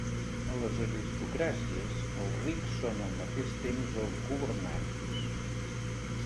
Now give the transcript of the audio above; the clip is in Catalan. En les aristocràcies, els rics són al mateix temps els governants.